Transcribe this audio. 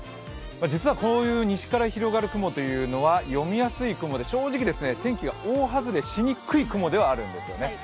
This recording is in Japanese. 実はこういう西から広がる雲というのは読みやすい雲で正直、天気が大外れしにくい空でもあるんですよね。